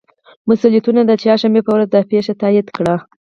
مسئولینو د چهارشنبې په ورځ دا پېښه تائید کړه